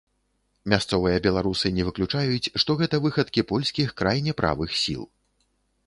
Мясцовыя беларусы не выключаюць, што гэта выхадкі польскіх крайне правых сіл.